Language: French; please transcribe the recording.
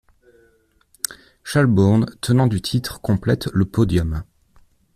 Shelbourne, tenant du titre complète le podium.